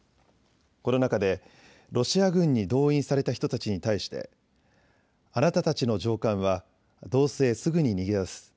この中でロシア軍に動員された人たちに対してあなたたちの上官はどうせすぐに逃げ出す。